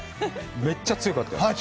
めっちゃ強かったよ。